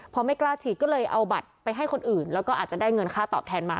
พอไม่กล้าฉีดก็เลยเอาบัตรไปให้คนอื่นแล้วก็อาจจะได้เงินค่าตอบแทนมา